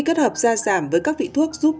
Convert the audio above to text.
kết hợp gia giảm với các vị thuốc giúp